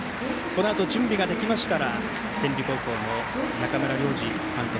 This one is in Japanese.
このあと準備ができましたら天理高校の中村良二監督